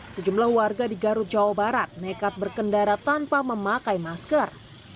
sejumlah warga di garut jawa barat nekat berkendara tanpa memakai masker